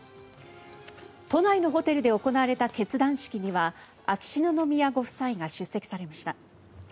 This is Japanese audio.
都内のホテルで行われた結団式には秋篠宮ご夫妻が出席されました。